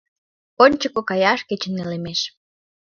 Ончыко каяш кечын нелемеш.